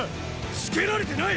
つけられてない！